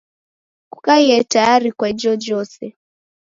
Kukaie tayari kwa ijojose.